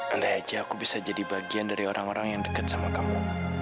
andai aja aku bisa jadi bagian dari orang orang yang dekat sama kamu